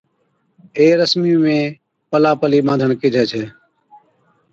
اي رسمِي نُون پلا پلي ٻانڌڻ ڪيهجَي ڇَي